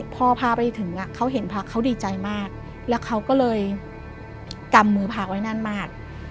พอพาไปถึงเขาเห็นพระเขาดีใจมากแล้วเขาก็เลยกำมือพระไว้แน่นมาก